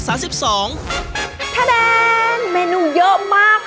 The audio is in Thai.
เมนูเยอะมากค่ะ